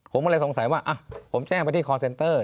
ผมก็เลยสงสัยว่าผมแจ้งไปที่คอร์เซนเตอร์